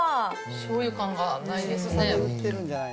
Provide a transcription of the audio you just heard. しょうゆ感がないですね。